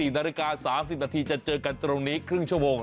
๔นาฬิกา๓๐นาทีจะเจอกันตรงนี้ครึ่งชั่วโมง